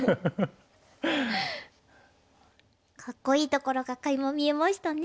かっこいいところがかいま見えましたね。